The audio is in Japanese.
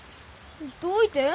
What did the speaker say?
どういて？